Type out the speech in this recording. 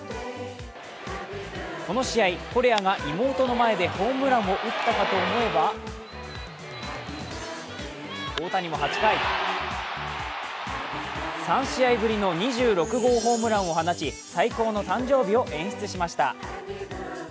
この試合、コレアが妹の前でホームランを打ったかと思えば大谷も８回、３試合ぶりの２６号ホームランを放ち最高の誕生日を演出しました。